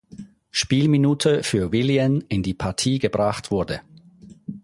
Spielminute für Willian in die Partie gebracht wurde.